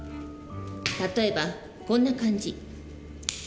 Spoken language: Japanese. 例えばこんな感じ。